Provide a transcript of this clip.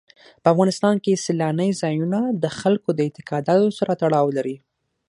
په افغانستان کې سیلانی ځایونه د خلکو د اعتقاداتو سره تړاو لري.